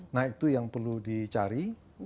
nah itu yang perlu dicari